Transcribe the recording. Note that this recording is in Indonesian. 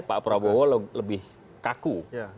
pak prabowo lebih kaku